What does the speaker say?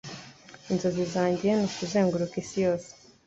Inzozi zanjye nukuzenguruka isi yose.